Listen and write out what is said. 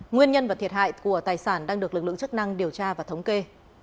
nguyên nhân và thiệt hại của tài sản đang được lực lượng chức năng điều tra và thống kê